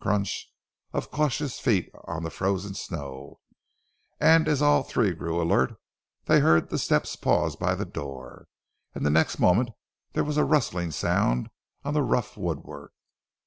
crunch! of cautious feet on the frozen snow, and as all three grew alert, they heard the steps pause by the door, and the next moment there was a rustling sound on the rough woodwork.